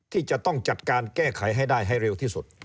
ที่จะต้องจัดการแก้ไขให้ได้ให้เร็วที่สุด